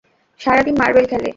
সারাদিন মার্বেল খেলে।